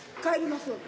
「帰ります」。